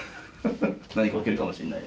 何か起きるかもしれない？